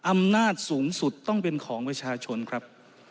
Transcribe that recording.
อำนาจสูงสุดต้องเป็นของประชาชนครับ